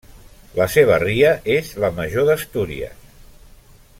La seva ria és la major d'Astúries.